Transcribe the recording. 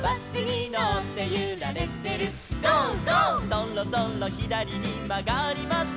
「そろそろひだりにまがります」